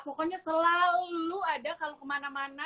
pokoknya selalu ada kalau kemana mana